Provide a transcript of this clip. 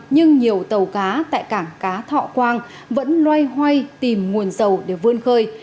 nhưng nhiều tàu cá tại cảng cá thọ quang vẫn loay hoay tìm nguồn dầu để vươn khơi